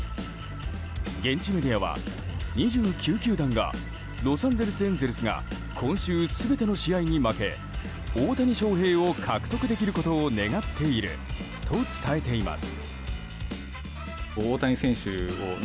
現地メディアは、２９球団がロサンゼルス・エンゼルスが今週全ての試合に負け大谷翔平選手を獲得できることを願っていると伝えています。